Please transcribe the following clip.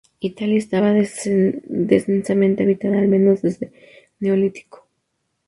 Italia estaba densamente habitada al menos desde el Neolítico.